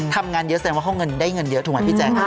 ทำงานเยอะแสดงว่าห้องเงินได้เงินเยอะถูกไหมพี่แจ๊ค